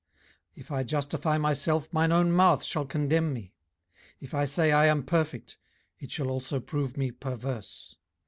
18:009:020 If I justify myself, mine own mouth shall condemn me: if I say, I am perfect, it shall also prove me perverse.